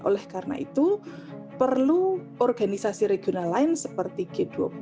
oleh karena itu perlu organisasi regional lain seperti g dua puluh